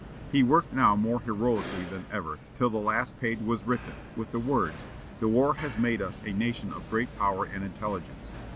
He worked now more heroically than ever, till the last page was written, with the words: "The war has made us a nation of great power and intelligence.